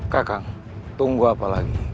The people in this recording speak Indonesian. kak kang tunggu apa lagi